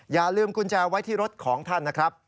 อย่าลืมกุญแจไว้ที่รถของท่านนะครับ